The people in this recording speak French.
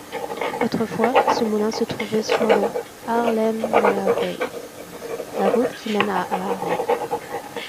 Autrefois, ce moulin se trouvait sur le Haarlemmerweg, la route qui mène à Haarlem.